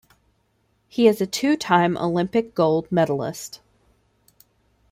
He is a two-time Olympic gold medalist.